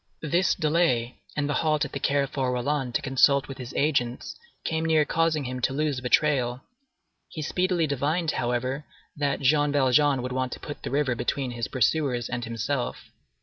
This delay and the halt at the Carrefour Rollin to consult with his agents came near causing him to lose the trail. He speedily divined, however, that Jean Valjean would want to put the river between his pursuers and himself.